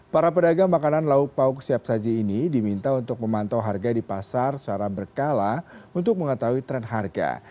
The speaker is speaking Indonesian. para pedagang makanan lauk pauk siap saji ini diminta untuk memantau harga di pasar secara berkala untuk mengetahui tren harga